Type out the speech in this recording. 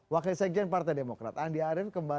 wakil sekjen partai demokrat andi arief